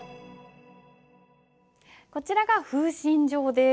こちらが「風信帖」です。